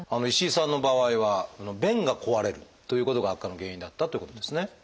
石井さんの場合は弁が壊れるということが悪化の原因だったってことですね。